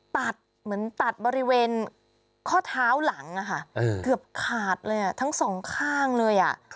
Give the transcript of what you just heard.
ตัดเหมือนตัดบริเวณข้อเท้าหลังเกือบขาดเลยทั้งสองข้างเลย